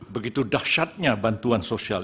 begitu dahsyatnya bantuan sosial